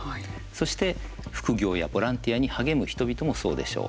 そして、副業やボランティアに励む人々もそうでしょう。